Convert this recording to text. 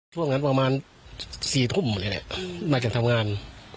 ช่วยงานประมาณสี่ทุ่มเลยน่ะมาจากทำงาน